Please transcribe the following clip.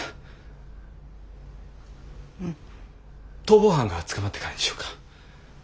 逃亡犯が捕まってからにしようか。